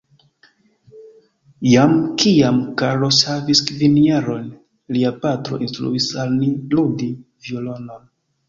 Jam kiam Carlos havis kvin jarojn, lia patro instruis al ni ludi violonon.